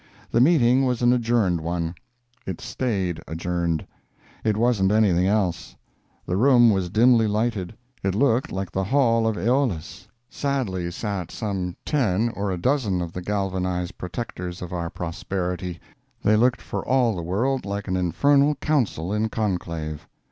The meeting was an adjourned one. It staid adjourned. It wasn't anything else. The room was dimly lighted. It looked like the Hall of Eolis. Silently sat some ten or a dozen of the galvanized protectors of our prosperity. They looked for all the world like an infernal council in conclave.